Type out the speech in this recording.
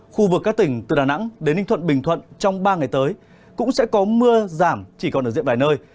khu vực các tỉnh từ đà nẵng đến ninh thuận bình thuận trong ba ngày tới cũng sẽ có mưa giảm chỉ còn ở diện vài nơi